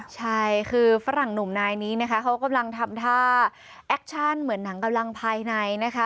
ใช่คือฝรั่งหนุ่มนายนี้นะคะเขากำลังทำท่าแอคชั่นเหมือนหนังกำลังภายในนะคะ